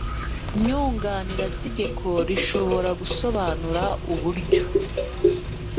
nyunganirategeko ishobora gusobanura uburyo